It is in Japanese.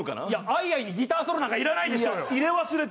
「アイアイ」にギターソロなんか入ってないでしょ。